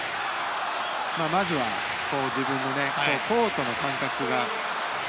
まずは自分のコートの感覚が。